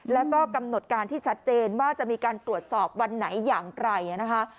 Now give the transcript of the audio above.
แล้วก็กำหนดการที่ชัดเจนว่าจะมีการตรวจสอบวันไหนอย่างไรนะคะ